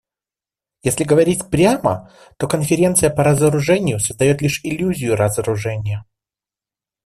Если говорить прямо, то Конференция по разоружению создает лишь иллюзию разоружения.